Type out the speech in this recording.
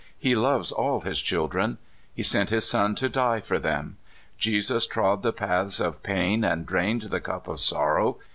He loves all his children. He sent his Son to die for them. Jesus trod the paths of pain and drained the cup of sorrow.